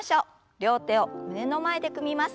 両手を胸の前で組みます。